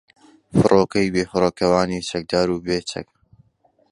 فۆرکەی بێفڕۆکەوانی چەکدار و بێچەک